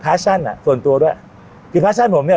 ชั่นอ่ะส่วนตัวด้วยคือพาชั่นผมเนี้ย